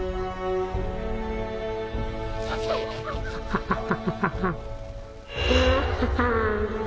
ハッハハ！